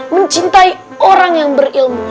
mencintai orang yang berilmu